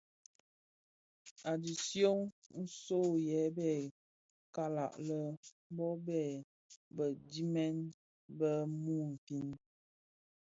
A dishyön, nso yè bè kalag lè bon be bhèi bë dimen bë muufin.